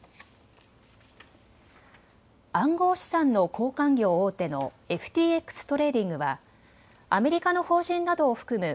暗号資産の交換業大手のＦＴＸトレーディングはアメリカの法人などを含む